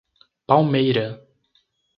Palmeira